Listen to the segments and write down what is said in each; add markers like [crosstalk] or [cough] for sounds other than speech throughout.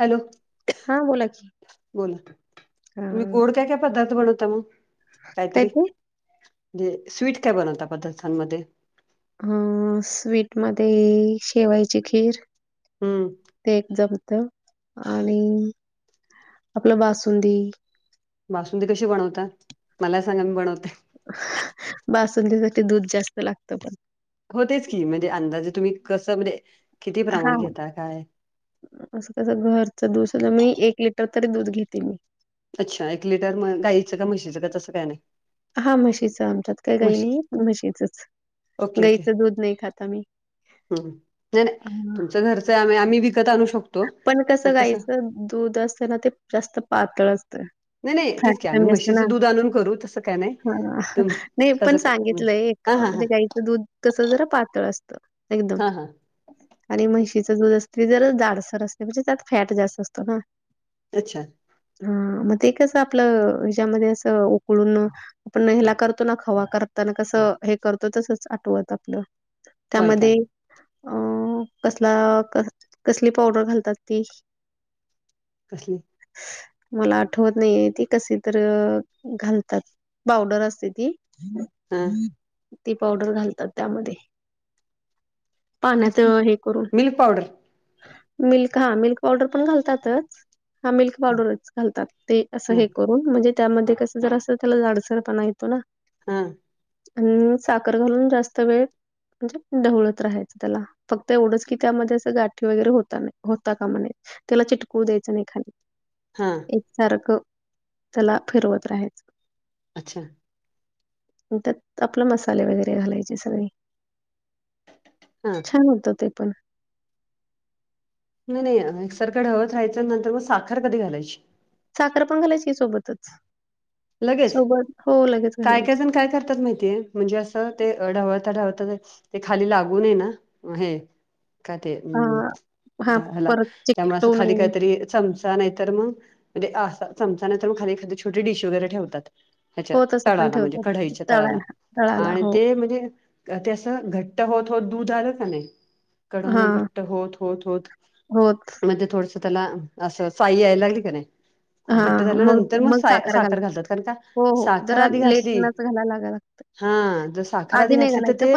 Hello हां, बोला की. बोला अ, तुम्ही कोड काय काय पदार्थ बनवता मग? काय काहीतरी ते? म्हणजे स्वीट काय बनवता पदार्थांमध्ये? अ स्वीट मध्ये शेवायची खीर हम्म ते एक जम आणि आपलं बासुंदी बासुंदी कशी बनवतात मला सांगा मी बनवते. बासुंतीसाठी दूध जास्त लागतं पण होतेच की म्हणजे अंदाजे तुम्ही कसं म्हणे किती हां, प्रमाण घेता काय? असं कस घरच दूध म एक लिटर तरी दूध घेते मी. अच्छा एक लिटर गाईचं का म्हशीचं का तसं काय नाही? हा म्हशीच आमच्यात काही काई म्हशी नाही म्हशीच ओके गईचं दूध नाही खात आम्ही. जर अ, आ्ही विकत आणू शकतो. पण कसं गायचं दूध असत ना ते जास्त पातळ असतं. नाही नाही तेच फॅट की आम्ही कमी असत ना म्हशीचं दूध आणून करू तसं काय नाही हा तुम नाही पण कसं काय सांगितलंय. हां हां हां म्हणजे गाईचं दूध कस जरा पातळ असत एकदम हां हां आणि म्हशीचं दूध असत ते जर जाडसर असते म्हणजे त्यात फॅट जास्त असतो ना? अच्छा! हा मग ते कसं आपलं हच्यामध्ये असं उकळून. आपण हेला करतो ना खवा करताना कसं हे करतो तसच आठवत आपलं होय का त्यामध्ये अं कसला कसली पावडर घालतात ती. [unintelligible] मला आठवत नाहीे ती कसे तर घालतात. बावडर असते ती. हां ती पावडर घालतात त्यामध्ये पाण्यात स हे करून मिल्क पावडर? मिल्क हा मिल्क पावडर पण घालतातच हा मिल्क पावडरच घालतात ते असं हा हे कर म्हणजे त्यामध्ये कसं जर असतं त्याला जाडसर पण येतो ना. हम आणि साखर घालून जास्त वेळ. म्हणजे ढवळत राहायचं त्याला फक्त एवढंच की त्यामध्ये गाठी वगैरे होत नाही होता का म्हणे त्याला चिटकवू द्यायचं नाही खाली. हा एकसारखं त्याला फिरवत राहायचं. अच्छा! त्यात आपलं मसाले वगैरे घालायचे सगळी. हम् छान होतं ते पण नाही नाहीसरक वंत राहायचं नंतर मग साखर कधी घालायची साखर पण घालायची सोबतच लगेच सोबत हो लगेच काय घालायची कायजण काय करतात माहितीय म्हणजे असं ते ढावळता ढावळता ते खाली लागूनये ना हे का हा. तेम् हा हला परत त्यामुळे असं चिकटवू खाली नये काहीतरी सम नाही तर मग म्हणजे चमचा नाही तर मग खालीखादी छोटी डिश वगैरे ठेवतात ह्याच्या हो, तसं पण तळाला म्हणजे ठेवतात. कढाईच्या तळाला तळाला आणि हो. ते म्हणजे तेसं घट्ट होत होत दूध आलं का नाही कडण हां. घट्ट होत होत होत होत मध्येे थोड त्याला अस साई यायला लागली का खूप घट्ट झाल्यानंतर मग सा साखर घालत कारण का हो, हो. साखर जरा आधी घातली लेटनंच घालायला लागायला लागतं. हा जर साखर आधी घातली तर ते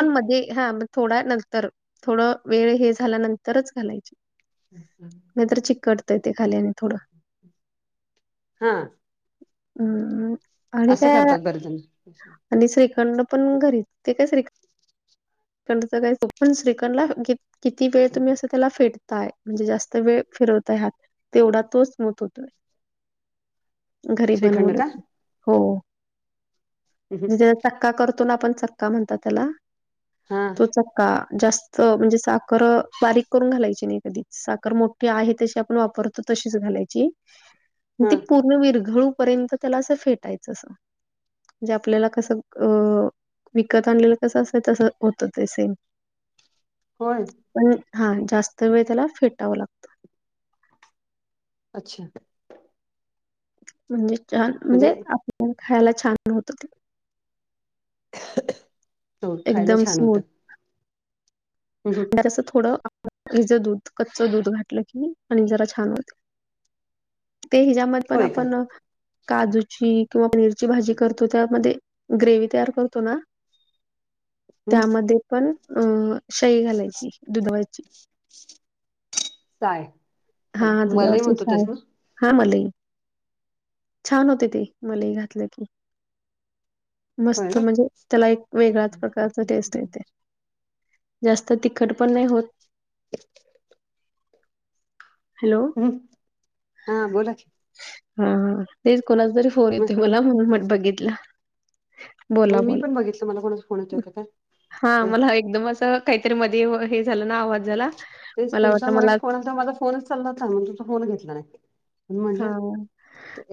थोड्या नंतर थोडं वेळ हे झाल्यानंतरच घालायची नाहीत चिकटत येते खाली आणि थोडं हा ह् आणि असं काय करतात बरेच जण आणि श्रीखंड पण घरीत ते काय श्रीकं ंड काय पण श्रीकंडला ग किती वेळ तुम्ही असं त्याला फेटताय म्हणजे जास्त वेळ फिरवताय ह्यात तेवढा तोच मत होतोय [unintelligible] घरी श्रीखंड बनवलं का हो हम्म म्हे चक्का करतो आपण चक्का म्हणतात त्याला हा तो चक्का जास्त म्हणजे साखर बारीक करून घालायची नाही कधी साखर मोठ आहे तशी आपण वापरतो तशीच घालायची [unintelligible] ते पूर्ण विरघळू पर्यंत त्याला असं फेटायचं अस म्हजे आपल्याला कसं अ विकत आणलेलं कस असतं तसं होत ते सेम होय पण हा जास्त वेळ त्याला फेटावं लागतं अच्छा म्हणजे छान म्हणजे आपल्या खायला छान होत ते हो खायला एकदम छान स्मूथ होतं हम हम स थोडंचं दूध कच्च दूध घातलं की आणि जरा छान होते ते हिजाबात पण होय का आपण काजूची किंवा पनीरची भाजी करतो त्यामध्ये ग्रेवी तयार करतो ना हम्म त्यामध्ये पण अं शई घालायची दुधवायची साय हाा तुच्या वर्षच आहे हा मलई छान होते ते मलई घातलं की होय मस्त ना म्हणजे त्याला एक वेगळ्याच प्रकारचा टेस्ट येते जास्त तिखट पण नाही होत हॅलो हम् हा बोला क हा तेच कोणाचा तरी होोन मग येतोय मलाण बघितलं बोला मग मी बोला पण बघितलं मला कोणाचा फोन येतोय का काय हा मला एकदमं काहीतरी मध्ये हे झालं ना आवाज झाला तेच मला तुमचा वाटलं मला मगेश फोन आता माझा फोनच चालला होता तुम फोन घेतला नाही म्हणून हा म्हटलं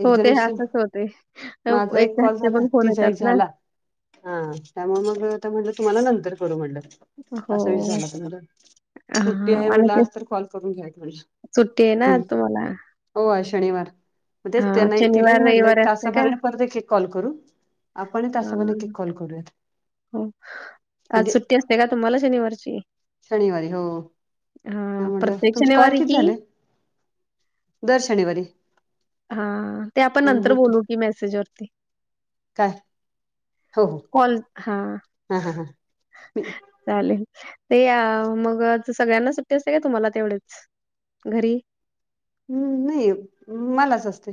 एक होते जणीशी असंच होते माझा एक कॉल घरचे झाला पण फोन तिचा एक येतात ना झाला. हा त्यामुळे मग म्हटलं तुम्हाला नंतर करू म्हणलं असं हो विचारला तुमला सुट्टी हां आहे म्हट आणि ते आज तर कॉल करून घ्या सुट्टी आहे ना म्ह तुम्हाला? हो शनिवार मग तेच हां, त्यांना तिलाही शनिवार, म्हटलं रविवार एक असते का? तासाभरने परत कॉल करू आपण त्या समा न हां, कॉल करूयात म्हणजे ते का तु म्हाला शनिवारची शनिवारी हो हां, म्हटलं प्रत्येक तुमची कॉल शनिवारी किती की झाले दर्शनवरर हा ते आपण नंतर बोलू की मेसेज वरती काय हो हो कॉल हा हा हा हां म चालेल ते या मग सगळ्यांना सुट्टी असते का तुम्हाला तेवढेच घरी हम्म नाही मलाच असते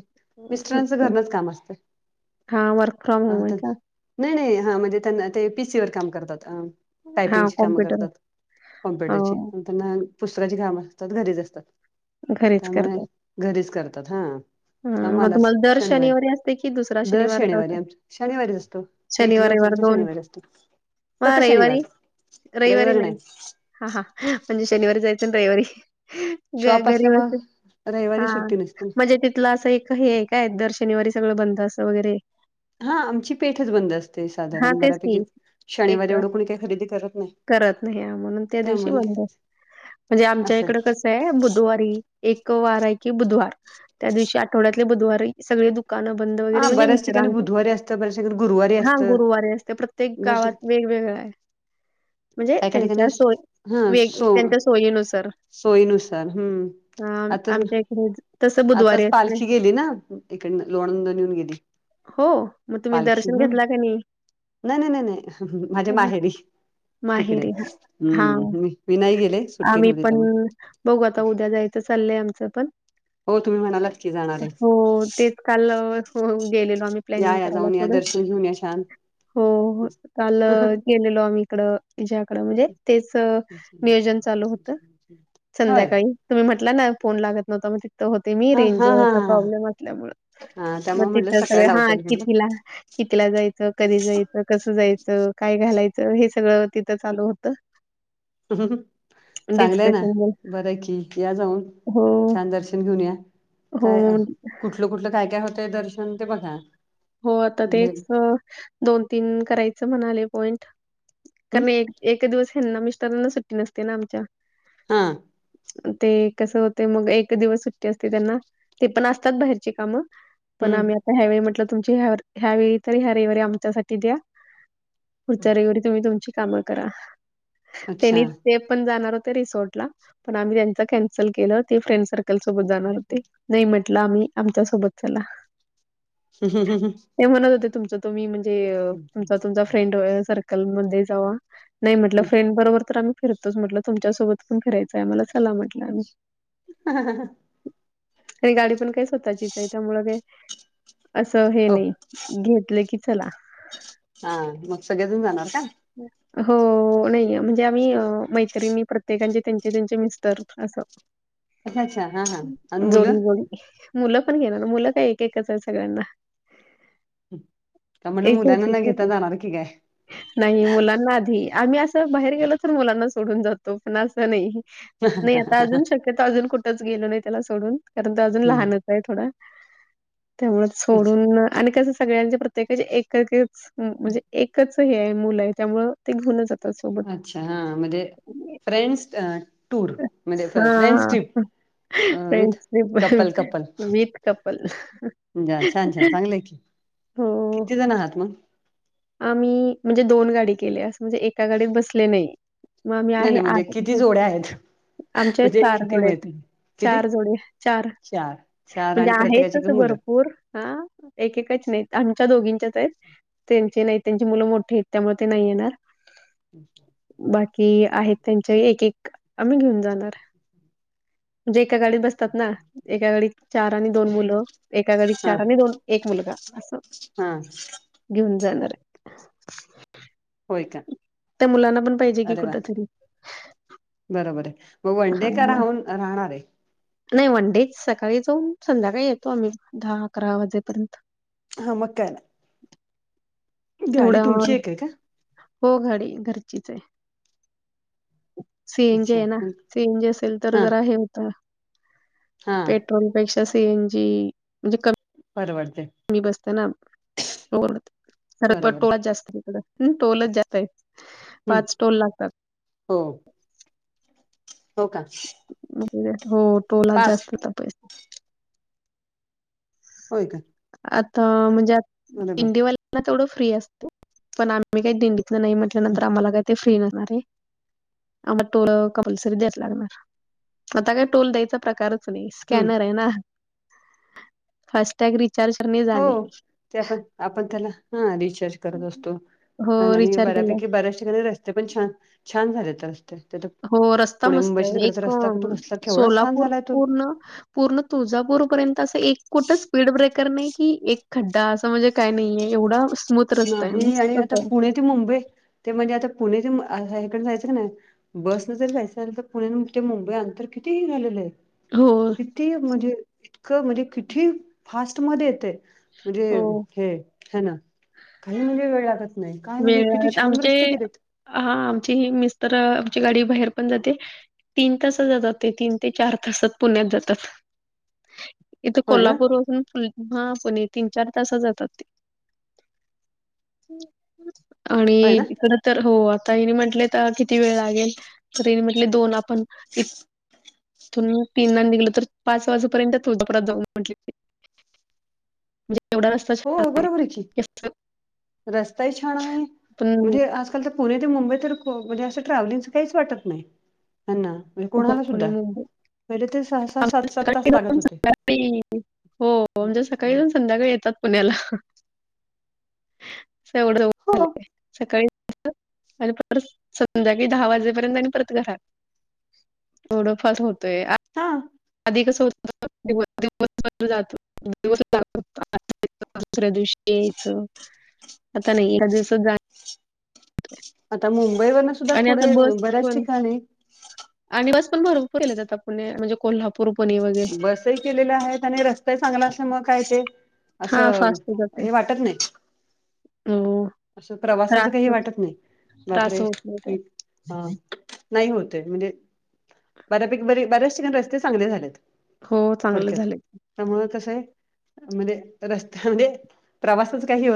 मिस्टरांचं घरनच काम असत हां, वर्क फ्रॉम अ होम आहे का? नाही नाही हा म्हणजे त्यांना ते पीसी वर काम करतात अ हां, टायपिंगची कामं कॉम्प्युटर करतात कॉम्प्युटरची हां, त्यांना पुस्तकाची कामं असतात घरीच असतात घरीच त्यामुळे करतात. घरीच करतात हा हां, मग आम्हालाच तुम्हाला दर शनिवारी असते की दुसरा दर शनिवार, शनिवारी चौथा? आम शनिवारीच असतो वीकली शनिवार, रविवार दोन. शनिवार असतो मग तरता शनिवार रविवारी? रविवार नाही हा हा म्हणजे शनिवारी जायचं ना रविवारी ग शॉप घरी बसून असल्यामुळे हा रविवारी सुट्टी नसते मजा ति तलं असं एक हे काय दर शनिवारी सगळं बंद असं वगैरे हा आमची पेठच बंद असते हां, साधारण तेच की बऱ्यापैकी एक शनिवारी एवढं कोुणी काही खरेदी करत नाही करत नाही म्हणून त्या दिवशी त्यामुळे बंद म्हणजे आमच्या असं इकड कस बुधवारी एक वार आहे की बुधवार त्या दिवशी आठवड्यातले बुधवारी सगळे दु दुकानं बंद वगैरे हा म्हणजे बऱ्याच ठिकाणी विश्रांती बुधवारी असतं बऱ्याच ठिकाणी गुरुवारी हा असतं गुरुवारे असते प्रत्य. प्रत्येक बऱ्याच गावात ठिकाणी वेगवेगळं आहे. म्हणजे काय काय ठिकाणी त्यांच्या सोय हा वेग सो त्यांच्या सोयीनुसार. सोयीनुसार हम्म ह आताच आमच्या इकडे. बुधवारी आताच असते. पालखी गेली ना इकड लोणंदणी येऊन गेली. हो मग तुम्ही पालखी दर्शन हम्म घेतला का नाही. नाही नाही नाही नाही माझ्या हं. माहेरी. तिकडे माहेरी हां. हां. हम्म मी नाही गेले सुट्टी आम्ही नव्हती पण त्यामुळे. बघू आता उद्या जायचं चाललंय आमचं पण. हो तुम्ही म्हणालात की जाणार आहे हो तेच काल. गेलेलो आम्ही या प्लॅनिंग या करायला जाऊन या थोडं. दर्शन घेऊन या छान. हो काल केेलेलो आम्ही इकडं. ज्याकड म्हणजे तेच नियोजन चालू होत होय संध्याकाळी. तुम्ही म्हटलं ना फोन लागत नव्हता म तं हो. ते मी हा हा हा रेंजचा हा प्रॉब्लेम असल्यामु हा मग त्यामुळे म्हटलं तिथं सगळ सकाळी हा लावता येईल कितीला. कितीला जायचं कधी जायचं कसं जायचं काय घालायचं हे सगळं तिथं चालू होतं. चांगलंय ना डिस्कशन हो, बर की या जाऊन. छान दर्शन घेऊन या काय हो. कुठलं कुठलं काय काय होतंय दर्शन ते बघा. हो आता म्हणजे तेच दोन तीन करायचं म्हणाले पॉइंट. हम् कारण एक एक दिवस हना मिस्टारांना सुट्टी नसते ना आमच्या. हा ते कसं होते मग एक दिवस सुट्टी असते त्यांना.. ते पण असतात बाहेरची कामं. पण हम्म आम्ही आता ह्यावेेळी म्हटलं तुमची ह्या ह्यावेेळी तरी ह्या रविवारी आमच्यासाठी द्या. पुच्या रेवरी तुम्ही तुमची कामं करा अच्छा त्यांनी ते पण जाणार होते रिसोर्ट. पण आम्ही त्यांच कॅन्सल केलं ते फ्रेंड सर्कल सोबत जाणार होते. नाही म्हटलं आम्ही आमच्या सोबत चला. ह हं ह ह. ते म्हणत होते तुमच तुम्ही म्हणजे तुमचा तुमचा फ्रेंड सर्कलमध्येध्ये जावा. नाही म्हटलं फ्रेंड बरोबर तर आम्ही फिरतोच म्हटलं तुमच्यासोबत पण फिरायचं आहे मला चला म्हटलं आम्ही. हा ह ह. आणि गाडी पण काही स्वतःचीच आहे त्यामु असं. हे हो नाही घेतले की चला. हा मग सगळेजून जाणार का. हम् हो नाही म्हणजे आम्ही मैत्रिणी प्रत्येकांचे त्यांचे त्यांचे मिस्टर असं. अच्छा अच्छा हा हा आणि मुलं. हो. मुलं पण घेणार मुलं काय एक एकच आहे सगळ्यांना. त्या म्हलं एक छोटी मुलांना घेता छोटी जाणार की काय. नाही मुलांना आधी आम्ही असं बाहेर गेलो तर मुलांना सोडून जातो पण असं नाही. नाही आता अजून शक्यत अजून कुठंच गेलो नाही त्याला सोडून कारण त अजून हम्म लहानच. थोडा त्यामुळे अच्छा सोडून आणि कस सगळ्यांचे प्रत्येकाचे एक. म्हणजे एकच हे आहे मुल आहे त्यामुळ ते घेन जात. अच्छा हा म्हणजे फ्रेंड्स. टूर म्हणजे हा friends trip with couple friendship meet couple. जा छान छान चांगलं आहे की हो. किती जण आहात मग. आम्ही म्हणजे दोन गाडी केले असं म्हणजे एका गाडीत बसले नाही. मग मी नाही आहे नाही म्हणजे आठ. किती जोड्या आहेत आमच्या म्हणजे चार किती जोडे आहेत मिळतील किती चार जोडे चार चार म्हणजे आणि आहेत प्रत्येकाची एक तस बरो मुलं पूर हा एकेकाच नाहीत आमच्या दोघींच्याच आहेत त्यांची नाही त्यांची मुलं मोठी आहेत त्यामुळे ते नाही येणार अच्छाा बाकी आहेत त्यांच्या एक एक आम्ही घेऊन जाणार म्हणजे एका गाडीत बसतात ना एका गाडीत चार आणि दोन मुलं एका घडी हा चार आणि दोन एक मुलगा असं हा घेऊन जाणार आहे होय का त्या मुलांना पण पाहिजे की अरे वा कुठ तरी बरोबर आहे मग वनडे का राहून राहणार आहे नाही वनडेच सकाळी जाऊन संध्याकाळी येतो आम्ही दहा अकरा वाजेपर्यंत हा मकान तेवढ्या तुमची एक आहे का हो गाडी घरचीच आहे सीएनजी अच्छा आहे ना हं. सीएनजी असेल तर हा जरा हे होतं हा पेट्रोलपेक्षा सीएन जी म्हणजे कमी परवडते मी बसत ना खर बरोबर टोळच जास्त आहे टोलच जास्त आहे हम्म पाच टोल लागतात हो हो का वगे हो टोलात पाच जास्तपै होय का? आता म्हणजे बरोबर दिंडीवाल्यांना तेवढं फ्री असत पण आमी मी काही दिंडीतन नाही म्हटल्यानंतर आम्हाला काही ते फ्री नणार हे. आ मग तोल कंपल्सरी द्यायच लागणार, आता काय टोल द्यायचा प्रकार असं नही हम्म स्कॅनर आहे ना फास्ट टॅग रिचार्ज करणे जाणे. त्यात आपण त्याला हा रिचार्ज करत असतो हो, न आणि रिचार्ज केला. बऱ्यापैकी बऱ्याच ठिकाणी रस्ते पण छान, छान झाले त रस्ते त्यात हो रस्ता मस्त आहे एक कसला केवढा छान सोलापूर झालाय तो पूर्ण. पूर्ण तुळजापूरपर्यंत असं एक कुठं स्पीड ब्रेकर नाही की एक खड्डा असं म्हणजे काय नाहीये एवढा स्मूथ रस्ता आहे नाही आणि आता मस्तच आहे. पुणे ते मुंबई ते म्हणजे आता पुणे ते ह्याकड जायचं का नाही. बस न जर जायचं झालं तर पुण्या ते मुंबईनअंतर किती झालेलं आहे. हो! किती म्हणजे इतकं म्हणजे किती फास्ट मध्ये येतेय म्हणजे हो. हे. ह ना काही म्हणजे वेळ लागत नाही काय म्हणजे किती छान रस्ते केलेत. हा आमची मिस्तर आमची गाडी बाहेर पण जाते. तीन तासात जातात ते तीन ते चार तासात पुण्यात जातात. [inaudible] इथं होय ना कोल्हापूर वरुन फुल आ पुणे तीन चार तासा जातात ते. होय आणि ना तीकड तर हो आता ईने म्हंटले त किती वेळ लागेल, तर ईने म्हटले दोन आपण इथून तीन ला निघलं तर पाच वाजेपर्यंत तुळजापुरात जाऊ म्हटले ते. [inaudible] म्हणजे एवढा रस्ता छान हो बरोबर की आहे. रस्ताही छान आहे पण म्हणजे आजकाल त पुणे ते मुंबई तर म्हणजे असं ट्रॅव्हलिंगच काहीच वाटत नाही त्यांना. म्हणज हो कोणाला पुणे सुद्धा. मुंबई पहिले ते सहा सहा, आमच्या सात सात, सकाळी तास लागत जाऊन होते. संध्याकाळी हो आमच्या सकाळी जाऊन संध्याकाळी येतात पुण्याला एवढं हो झा सकाळी आणि परत संध्याकाळी दहा वाजेपर्यंत आणि परत घरात. थोडंफार होतय आ. हा! अधिक सस् [unintelligible] ज दिस दुसऱ्या दिवशी यायचं [unintelligible] आता नही एका दिवसात जा आता मुंबईवरन सुद्धा आणि आता पुढे बस बऱ्याच पण ठिकाणी आणि बस पण भरपूर येल आता पुणे म्हणजे कोल्हापूर पुणे वगैरे. तई केलेल्या आहेत आणि रस्ते चांगला असल्या मूळ मग काय ते हा असं फास्ट हे वाटत नही. हलो! असं प्रवासाचं काही हे वाटत नाही त्रास बापरे होत नाही काही. की अ. नाही होतय म्हणजे बऱ्यापैकी बरे बऱ्याच ठिकाण रस्ते चांगले झालेत. हो चांगल झालय. त्यामुळ तसं आहे म्हणजे रस्त्यामध्ये प्रवासच काही होत